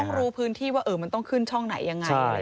มันเป็นทางที่ว่าเออมันต้องขึ้นช่องไหนยังไง